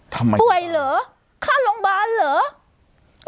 ป่วยเหรอค่าโรงพยาบาลเหรอ